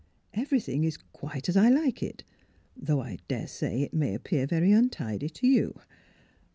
Everything is quite as I like it — though I dare say it may ap pear very untidy to you.